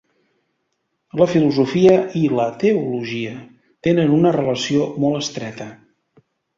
La filosofia i la teologia tenen una relació molt estreta.